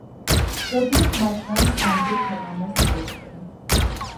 ზოგიერთ მათგანს ანდურ ქვეყანას უწოდებენ.